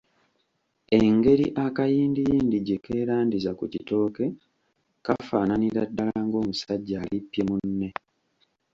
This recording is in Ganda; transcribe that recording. Engeri akayindiyindi gye keerandiza ku kitooke kafaananira ddala ng’omusajja alippye munne.